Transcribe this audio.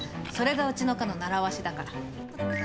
それがうちの課のならわしだから。